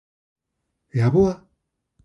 _E a avoa?